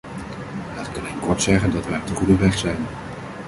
Laat ik alleen kort zeggen dat wij op de goede weg zijn.